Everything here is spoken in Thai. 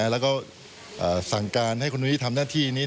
แล้วก็ศำการให้คนทำหน้าที่นี้มา